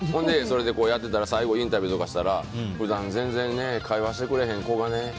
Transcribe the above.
それで、やってたら最後、インタビューとかしたら普段、全然会話してくれへん子がね